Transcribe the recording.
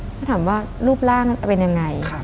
ก็ถามว่ารูปร่างเป็นยังไง